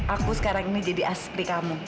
aku sekarang ini jadi aspri kamu